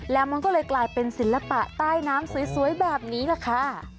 แล้วมันก็เลยกลายเป็นศิลปะใต้น้ำสวยแบบนี้แหละค่ะ